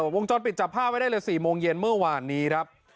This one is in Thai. วงจรปิดจับภาพไว้ได้เลย๔โมงเย็นเมื่อวานนี้ครับ